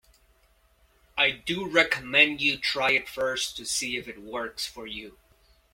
I do recommend you try it first to see if it works for you.